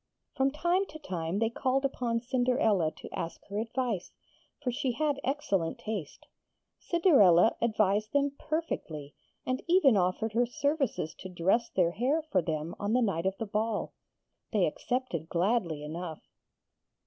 From time to time they called up Cinderella to ask her advice, for she had excellent taste. Cinderella advised them perfectly, and even offered her services to dress their hair for them on the night of the ball. They accepted gladly enough.